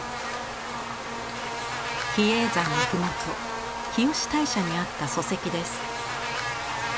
比叡山のふもと日吉大社にあった礎石です。